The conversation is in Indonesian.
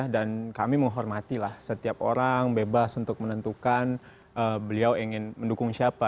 dan kami menghormati lah setiap orang bebas untuk menentukan beliau ingin mendukung siapa